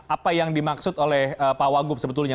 apa yang dimaksud oleh pak wagub sebetulnya